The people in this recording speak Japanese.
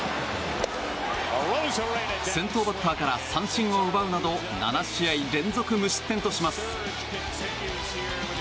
先頭バッターから三振を奪うなど７試合連続無失点とします。